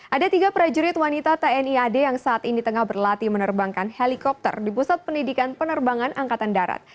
ada tiga prajurit wanita tni ad yang saat ini tengah berlatih menerbangkan helikopter di pusat pendidikan penerbangan angkatan darat